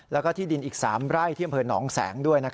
แล้วก็ที่ดินอีก๓ไร่ที่อำเภอหนองแสงด้วย